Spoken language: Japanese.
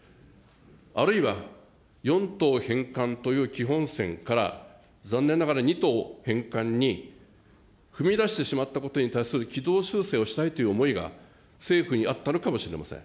あるいは四島返還という基本線から残念ながら２島返還に踏み出してしまったことに対する軌道修正をしたいという思いが政府にあったのかもしれません。